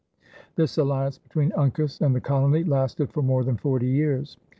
This alliance between Uncas and the colony lasted for more than forty years.